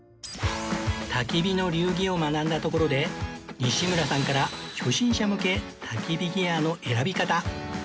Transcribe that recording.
焚き火の流儀を学んだところで西村さんから初心者向け焚き火ギアの選び方